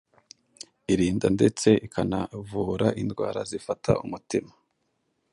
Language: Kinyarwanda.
irinda ndetse ikanavura indwara zifata umutima